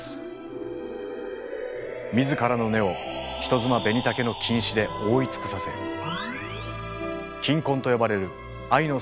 自らの根を人妻ベニタケの菌糸で覆い尽くさせ菌根と呼ばれる愛の巣を作り